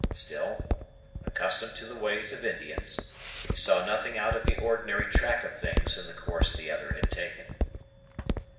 Still, accustomed to the ways of Indians, he saw nothing out of the ordinary track of things in the course the other had taken.